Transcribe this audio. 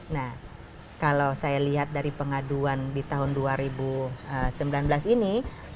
nah kalau saya lihat dari pengaduan di tahun dua ribu sembilan belas ini